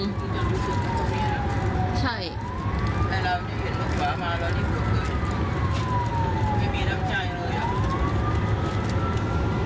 ให้เรานี่เห็นรถขวามาแล้วนี่คือไม่มีรับใจเลยอ่ะ